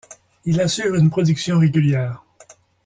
Il assure une production régulière.